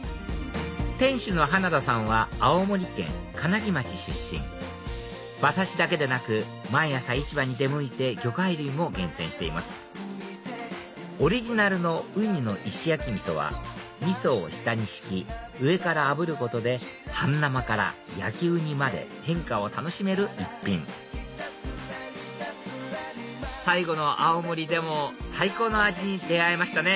店主の花田さんは青森県金木町出身馬刺しだけでなく毎朝市場に出向いて魚介類も厳選していますオリジナルのウニの石焼きみそはみそを下に敷き上からあぶることで半生から焼きウニまで変化を楽しめる一品最後の青森でも最高の味に出合えましたね